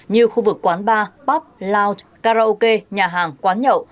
như khu vực quán bar pub loune karaoke nhà hàng quán nhậu